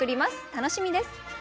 楽しみです。